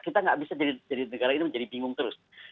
kita nggak bisa jadi negara ini menjadi bingung terus